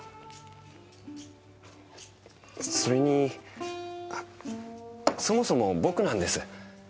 それにそもそも僕なんです。